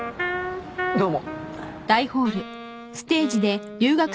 どうも。